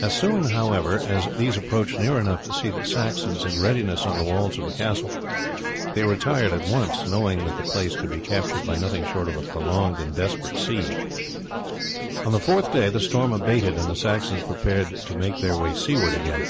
As soon, however, as these approached near enough to see the Saxons in readiness on the walls of the castle they retired at once, knowing that the place could be captured by nothing short of a prolonged and desperate siege. On the fourth day the storm abated, and the Saxons prepared to make their way seaward again.